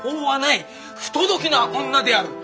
不届きな女である。